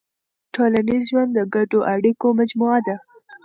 ټولنیز ژوند د ګډو اړیکو مجموعه ده.